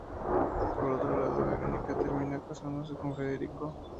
Por otro lado, Verónica termina casándose con Federico.